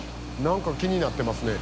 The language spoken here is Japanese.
何か気になってますね。